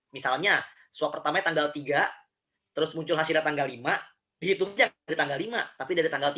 misalnya swab pertamanya tanggal tiga terus muncul hasilnya tanggal lima dihitungnya dari tanggal lima tapi dari tanggal tiga